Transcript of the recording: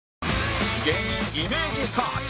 芸人イメージサーチ